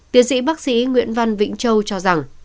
tiến sĩ bác sĩ nguyễn văn vĩnh châu cho rằng